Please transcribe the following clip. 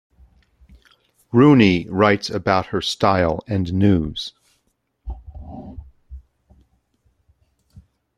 Rooney writes about her style and news.